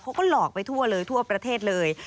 เขาก็หลอกไปทั่วเลยทั่วประเทศเลย